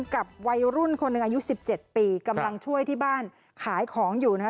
กับวัยรุ่นคนอายุ๑๗ปีกำลังช่วยที่บ้านขายของอยู่นะ